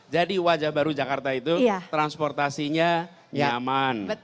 jadi wajah baru jakarta itu transportasinya aman